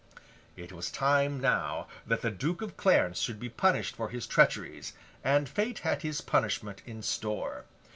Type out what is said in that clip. It was time, now, that the Duke of Clarence should be punished for his treacheries; and Fate had his punishment in store.